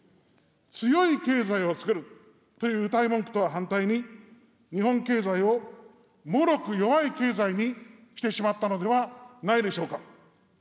強い経済を作るといううたい文句とは反対に、日本経済をもろく弱い経済にしてしまったのではないでしょうか。